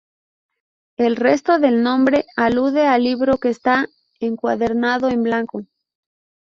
El resto del nombre alude al libro que está encuadernado en blanco.